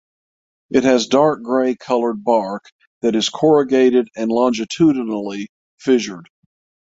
It has dark grey coloured bark that is corrugated and longitudinally fissured.